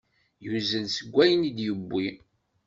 Yuzzel seg ayen i d-yewwi.